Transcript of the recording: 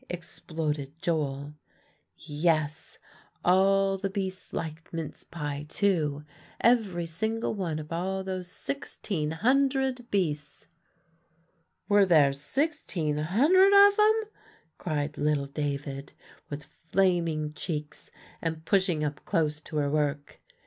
exploded Joel. "Yes; all the beasts liked mince pie too, every single one of all those sixteen hundred beasts." "Were there sixteen hundred of 'em?" cried little David with flaming cheeks, and pushing up close to her work.